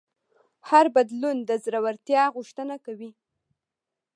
هر بدلون د زړهورتیا غوښتنه کوي.